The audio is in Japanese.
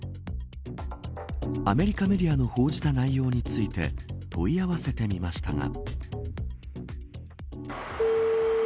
アメリカメディアが報じた内容について問い合わせてみましたが。